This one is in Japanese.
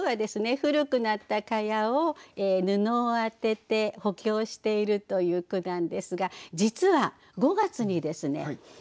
古くなった蚊帳を布を当てて補強しているという句なんですが実は５月にですね